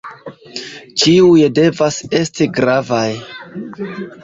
Ĉiuj devas esti gravaj.